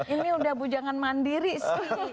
ini udah bujangan mandiri sih